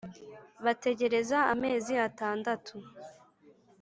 Bategereza amezi atandatu